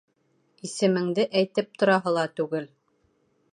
Исемеңде әйтеп тораһы ла түгел.